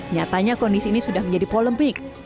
nyatanya kondisi ini sudah menjadi polemik